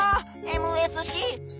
ＭＳＣ！